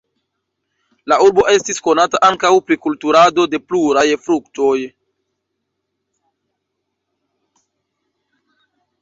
La urbo estis konata ankaŭ pri kulturado de pluraj fruktoj.